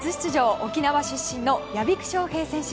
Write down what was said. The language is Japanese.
沖縄出身の屋比久翔平選手。